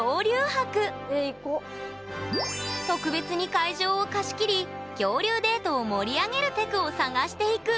特別に会場を貸し切り恐竜デートを盛り上げるテクを探していく！